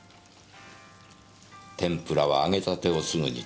てんぷらは揚げたてをすぐに食べる。